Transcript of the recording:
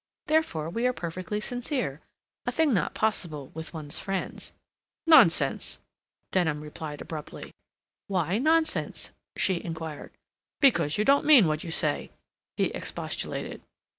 Therefore, we are perfectly sincere—a thing not possible with one's friends." "Nonsense," Denham replied abruptly. "Why 'nonsense'?" she inquired. "Because you don't mean what you say," he expostulated.